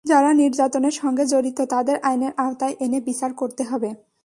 যারা নির্যাতনের সঙ্গে জড়িত, তাদের আইনের আওতায় এনে বিচার করতে হবে।